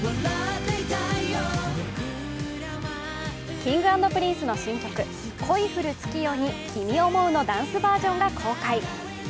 Ｋｉｎｇ＆Ｐｒｉｎｃｅの新曲「恋降る月夜に君想ふ」のダンスバージョンが公開。